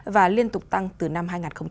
và liên tục tăng từ năm hai nghìn một mươi